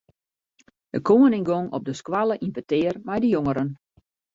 De koaning gong op de skoalle yn petear mei de jongeren.